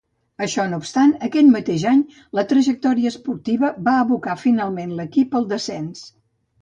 Això no obstant, aquell mateix any la trajectòria esportiva va abocar finalment l'equip al descens.